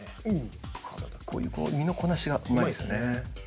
こういう身のこなしがうまいですよね。